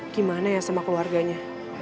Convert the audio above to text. gimana ya sama keluarganya